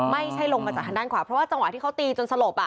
ลงมาจากทางด้านขวาเพราะว่าจังหวะที่เขาตีจนสลบ